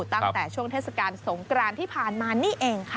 ตั้งแต่ช่วงเทศกาลสงกรานที่ผ่านมานี่เองค่ะ